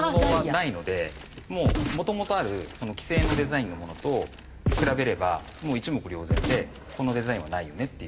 もともとある既製のデザインのものと比べればもう一目瞭然でこのデザインはないよねっていう。